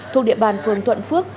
thuộc địa bàn phường tuận phước